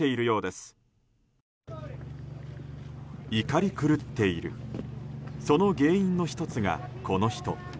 怒り狂っているその原因の１つが、この人。